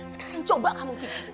sekarang coba kamu pikir